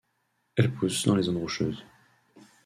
Elle pousse dans les zones rocheuses.